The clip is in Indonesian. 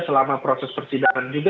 selama proses persidangan juga